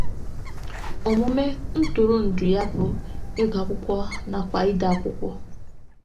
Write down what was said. Omume ntụrụndụ ya bụ igụ akwụkwọ nakwa ide akwụkwọ.